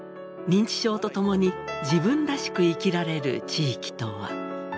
認知症とともに自分らしく生きられる地域とは？